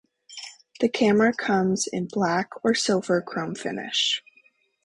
The camera comes in black or silver chrome finish.